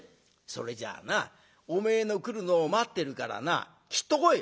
「それじゃあなおめえの来るのを待ってるからなきっと来い」。